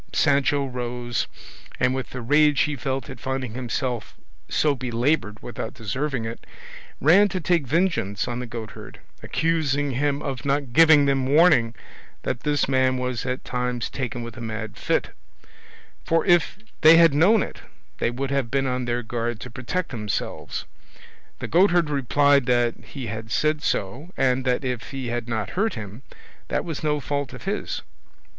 Sancho rose, and with the rage he felt at finding himself so belaboured without deserving it, ran to take vengeance on the goatherd, accusing him of not giving them warning that this man was at times taken with a mad fit, for if they had known it they would have been on their guard to protect themselves. The goatherd replied that he had said so, and that if he had not heard him, that was no fault of his.